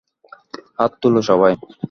হাত তোলো সবাই!